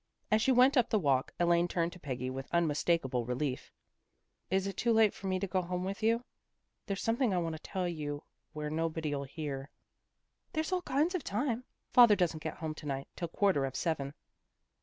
As she went up the walk, Elaine turned to Peggy with unmistakable relief. " Is it too late for me to go home with you? There's something I want to tell you where nobody '11 hear." " There's all kinds of time. Father doesn't get home to night till quarter of seven."